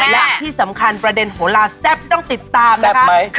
และที่สำคัญประเด็นโหลาแซ่บต้องติดตามนะคะ